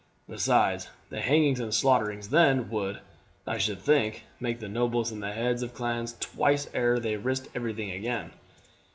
Besides, the hangings and slaughterings then, would, I should think, make the nobles and the heads of clans think twice ere they risked everything again."